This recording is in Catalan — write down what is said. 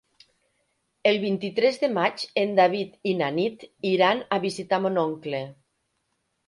El vint-i-tres de maig en David i na Nit iran a visitar mon oncle.